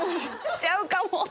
しちゃうかも！